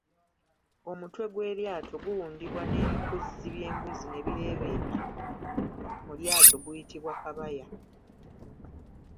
Omutwe gw'eryato guwundibwa nebikuzzi byembuzi ne bireebeetera mu lyato guyitibwa Kabaya.